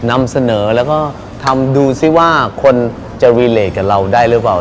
นำเสนอแล้วก็ทำดูซิว่าคนจะรีเลสกับเราได้หรือเปล่า